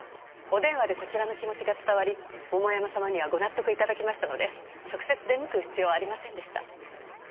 お電話でこちらの気持ちが伝わり桃山様にはご納得頂きましたので直接出向く必要はありませんでした。